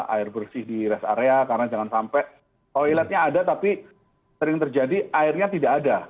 air bersih di rest area karena jangan sampai toiletnya ada tapi sering terjadi airnya tidak ada